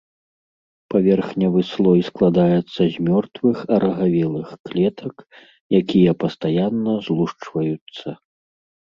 Паверхневы слой складаецца з мёртвых, арагавелых клетак, якія пастаянна злушчваюцца.